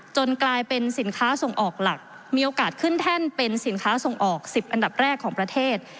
กลายเป็นสินค้าส่งออกหลักมีโอกาสขึ้นแท่นเป็นสินค้าส่งออก๑๐อันดับแรกของประเทศ